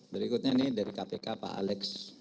berikutnya ini dari kpk pak alex